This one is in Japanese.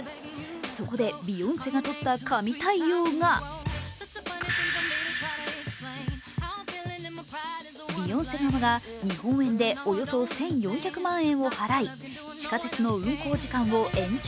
そこでビヨンセがとった神対応がビヨンセ側が日本円でおよそ１４００万円を払い地下鉄の運行時間を延長。